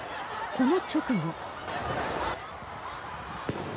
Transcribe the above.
この直後。